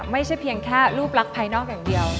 ไม่ใช่เพียงแค่รูปลักษณ์ภายนอกอย่างเดียว